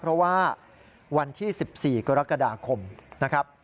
เพราะว่าวันที่๑๔กรกฎาคมนะครับ